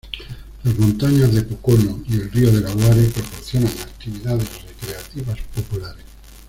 Las montañas de Pocono y el río Delaware proporcionan actividades recreativas populares.